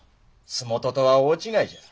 洲本とは大違いじゃ。